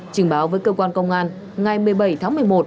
trình báo với cơ quan công an ngày một mươi bảy tháng một mươi một